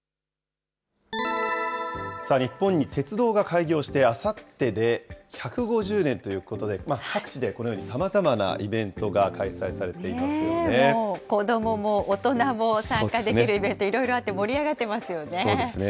日本に鉄道が開業して、あさってで１５０年ということで、各地でこのように、さまざまなイ子どもも大人も参加できるイベント、いろいろあって盛り上がってますよね。